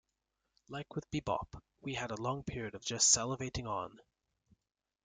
Like with bebop, we had a long period of just salivating on.